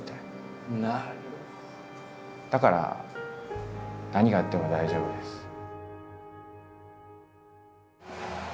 だから何があっても大丈夫です。